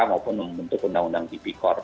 maupun membentuk undang undang tipikor